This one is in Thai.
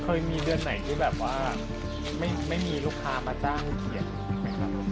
เคยมีเดือนไหนที่แบบว่าไม่มีลูกค้ามาจ้างเขียนไหมครับ